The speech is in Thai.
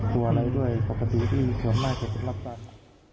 กลัวอะไรด้วยปกติที่สวนมากจะรับจ้านขน